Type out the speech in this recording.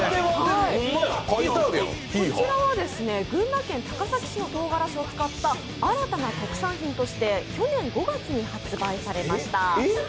こちらは群馬県高崎市のとうがらしを使った新たな特産品として去年５月に発売されました。